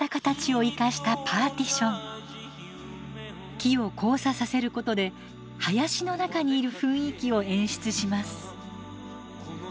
木を交差させることで林の中にいる雰囲気を演出します。